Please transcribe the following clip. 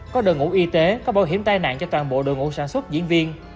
có đội ngũ y tế có bảo hiểm tai nạn cho toàn bộ đội ngũ sản xuất diễn viên